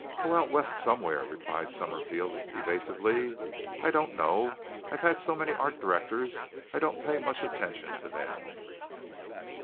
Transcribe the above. "Oh, the West somewhere!" replied Summerfield evasively. "I don't know. I've had so many art directors I don't pay much attention to them."